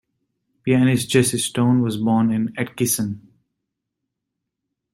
Pianist Jesse Stone was born in Atchison.